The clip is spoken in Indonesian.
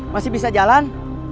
masih bisa jalan